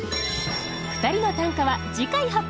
２人の短歌は次回発表。